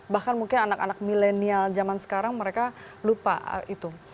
bahkan mungkin anak anak milenial zaman sekarang mereka lupa itu